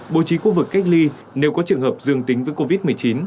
bố trí khu vực cách ly nếu có trường hợp dương tính với covid một mươi chín